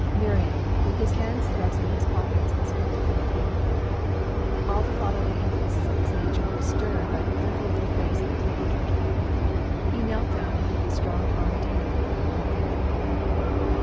Marion, with his hands thrust in his pockets, stood looking at him. All the fatherly impulses of his nature were stirred by the pitiful little face on the pillow. He knelt down and put his strong arm tenderly over the boy.